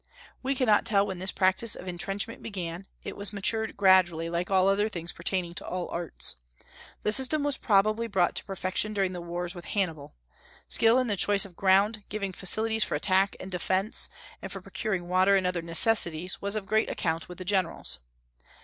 We cannot tell when this practice of intrenchment began; it was matured gradually, like all other things pertaining to all arts. The system was probably brought to perfection during the wars with Hannibal. Skill in the choice of ground, giving facilities for attack and defence, and for procuring water and other necessities, was of great account with the generals.